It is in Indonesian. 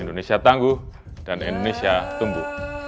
indonesia tangguh dan indonesia tumbuh